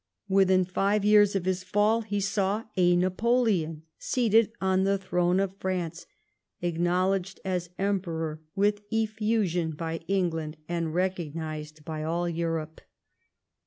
Within five years of his fall, he saw a Napoleon seated on the throne of France, acknowledged as Emperor with effusion by England, and recognised by all Europe.